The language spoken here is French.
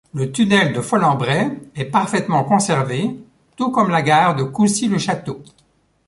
Le tunnel de Folembray est parfaitement conservé, tout comme la gare de Coucy-Le-Château.